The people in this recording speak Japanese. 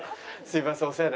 すいません